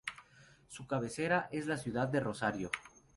Su cabecera es la ciudad de Rosario.